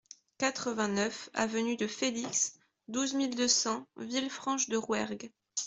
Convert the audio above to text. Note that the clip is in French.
quatre-vingt-neuf avenue de Felix, douze mille deux cents Villefranche-de-Rouergue